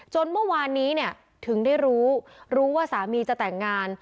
เมื่อวานนี้เนี่ยถึงได้รู้รู้ว่าสามีจะแต่งงาน